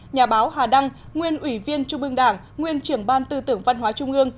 nhà báo hà đăng nguyên ủy viên trung ương đảng nguyên trưởng ban tư tưởng văn hóa trung ương